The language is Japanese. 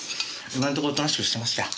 今のとこおとなしくしてますから。